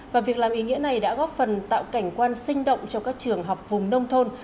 và việc làm ý nghĩa này đã góp phần tạo cảnh quan sinh động cho các trường học vùng nông thôn